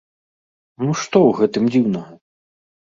Ну што ў гэтым дзіўнага?